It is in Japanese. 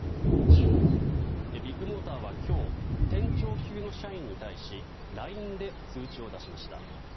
ビッグモーターは今日店長級の社員に対しＬＩＮＥで通知を出しました。